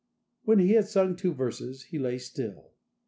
When he had sung two verses, he lay still.